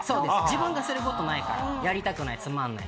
自分がすることないからやりたくないつまんない。